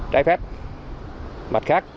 trái phép mặt khác